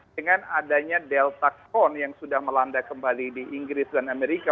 dengan adanya delta corne yang sudah melanda kembali di inggris dan amerika